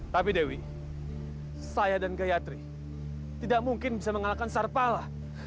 tapi dewi saya dan gayatri tidak mungkin bisa mengalahkan sarpala